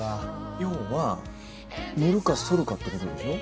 要はのるかそるかって事でしょ？